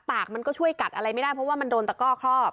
ปากมันก็ช่วยกัดอะไรไม่ได้เพราะว่ามันโดนตะก้อครอบ